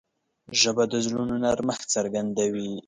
ژبه د زړونو نرمښت څرګندوي